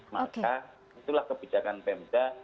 maka itulah kebijakan pemda